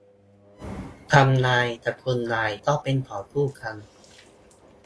ทำนาย กับคุณนายก็เป็นของคู่กัน